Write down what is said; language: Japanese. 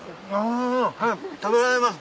食べられます。